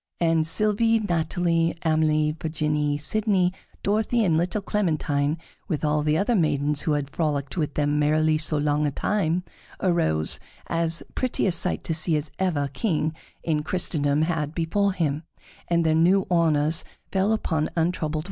_," and Sylvie, Natalie, Amelie, Virginie, Sidonie, Dorothée, and little Clementine, with all the other maidens who had frolicked with them merrily so long a time, arose, as pretty a sight to see as ever king in Christendom had before him, and their new honors fell upon untroubled white foreheads.